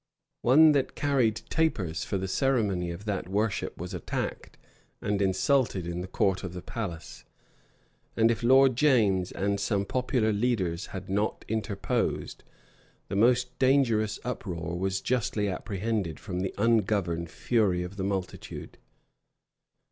One that carried tapers for the ceremony of that worship was attacked and insulted in the court of the palace. And if Lord James and some popular leaders had not interposed, the most dangerous uproar was justly apprehended from the ungoverned fury of the multitude.